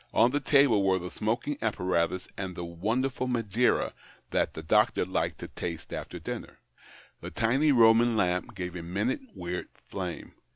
On the table were the smoking apparatus and the wonder ful Madeira that the doctor liked to taste after dinner. The tiny Eoman lamp gave a minute weird flame.